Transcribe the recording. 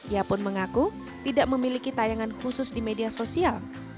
ia pun mengaku tidak memiliki tayangan khusus di media sosial